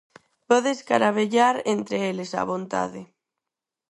Pode escaravellar entre eles á vontade.